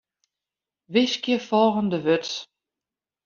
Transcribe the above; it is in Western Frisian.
Wiskje folgjende wurd.